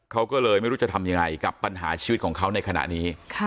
เขาก็เลยไม่รู้จะทำยังไงกับปัญหาชีวิตของเขาในขณะนี้